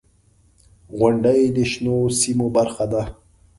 • غونډۍ د شنو سیمو برخه ده.